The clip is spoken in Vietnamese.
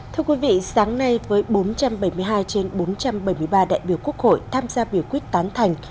thưa quý vị sáng nay với bốn trăm bảy mươi hai trên bốn trăm bảy mươi ba đại biểu quốc hội tham gia biểu quyết tán thành